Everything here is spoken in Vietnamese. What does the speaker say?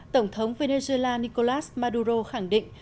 tổng thống venezuela nicolás maduro khẳng định